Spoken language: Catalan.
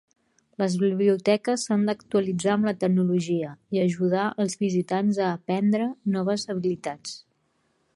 Les biblioteques s'han d'actualitzar amb la tecnologia i ajudar els visitants a aprendre noves habilitats.